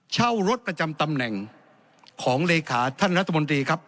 เช่ารถประจำตำแหน่งของเลขาท่านรัฐมนตรีครับ